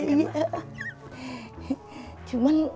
lihat kan emak